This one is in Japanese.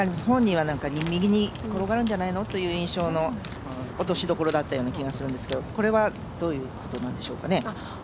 本人は右に転がるんじゃないのという印象の落としどころだったようですけどこれは、どういうことなんでしょうかね。